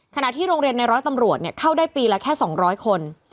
ขณะที่โรงเรียนในร้อยตำรวจเข้าได้ปีละแค่๒๐๐คน